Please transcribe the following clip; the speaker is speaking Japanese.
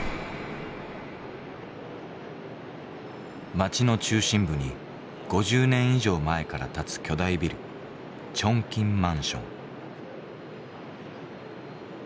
街の中心部に５０年以上前から建つ巨大ビルチョンキンマンション。